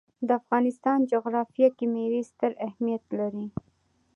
د افغانستان جغرافیه کې مېوې ستر اهمیت لري.